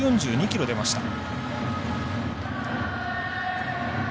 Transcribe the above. １４２キロ出ました。